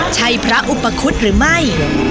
ใช่พระอุปคุฎหรือไม่